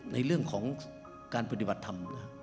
ในเรื่องของการปฏิบัติธรรม